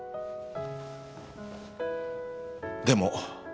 でも